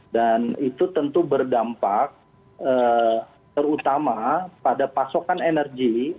dan itu tentu berdampak terutama pada pasokan energi